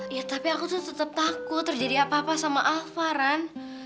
ya tapi aku tuh tetap takut terjadi apa apa sama alfa kan